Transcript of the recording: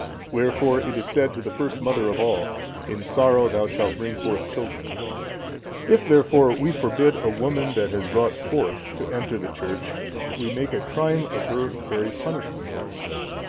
Wherefore it is said to the first mother of all, "In sorrow thou shalt bring forth children." If, therefore, we forbid a woman that has brought forth, to enter the church, we make a crime of her very punishment.